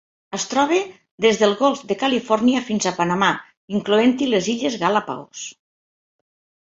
Es troba des del Golf de Califòrnia fins a Panamà, incloent-hi les Illes Galápagos.